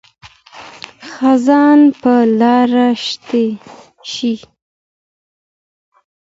خزان به لاړ شي.